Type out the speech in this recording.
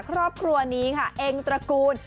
ครอบครัวนี้ค่ะเองตระกูล